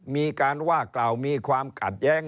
มีการว่ากล่าวมีความขัดแย้ง